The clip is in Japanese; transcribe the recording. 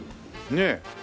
ねえ。